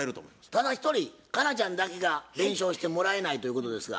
ただ一人佳奈ちゃんだけが弁償してもらえないということですが？